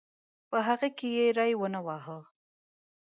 په هغه کې یې ری ونه واهه.